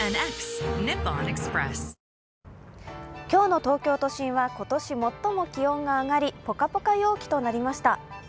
今日の東京都心は今年最も気温が上がりポカポカ陽気となりました。